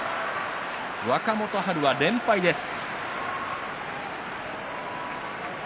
若元春、連敗です。